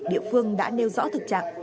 địa phương đã nêu rõ thực trạng